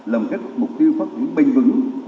lồng ghép mục tiêu phát triển bình vững